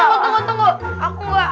eh tunggu tunggu tunggu